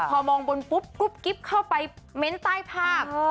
พอมองบนปุ๊บกุ๊บกิ๊บเข้าไปเม้นต์ใต้ภาพ